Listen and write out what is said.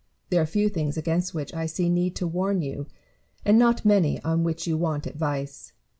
There are few things against which I see need to warn you, and not many on which you want advice.